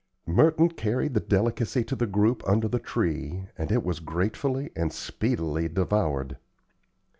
Merton carried the delicacy to the group under the tree, and it was gratefully and speedily devoured.